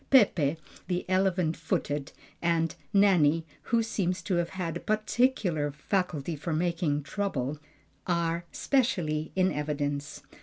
Peppe, the "elephant footed," and Nanny, who seems to have had a particular faculty for making trouble, are specially in evidence.